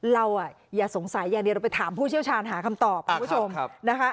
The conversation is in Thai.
เราอย่าสงสัยอย่างเดียวเราไปถามผู้เชี่ยวชาญหาคำตอบคุณผู้ชมนะคะ